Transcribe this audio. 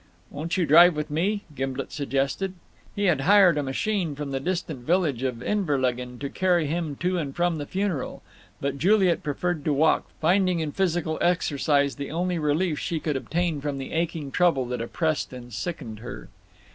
"Won't you drive with me?" Gimblet suggested. He had hired a "machine" from the distant village of Inverlegan to carry him to and from the funeral. But Juliet preferred to walk, finding in physical exercise the only relief she could obtain from the aching trouble that oppressed and sickened her.